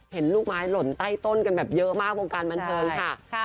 เห็นลูกไม้หล่นใต้ต้นกันแบบเยอะมากวงการบันเทิงค่ะ